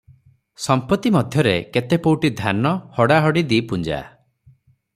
ସମ୍ପତ୍ତି ମଧ୍ୟରେ କେତେ ପୌଟି ଧାନ, ହଡ଼ା ହଡ଼ି ଦି'ପୁଞ୍ଜା!